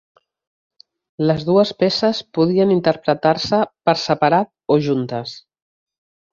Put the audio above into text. Les dues peces podien interpretar-se per separat o juntes.